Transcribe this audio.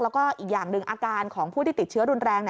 แล้วก็อีกอย่างหนึ่งอาการของผู้ที่ติดเชื้อรุนแรง